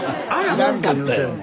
知らんと言うてんの？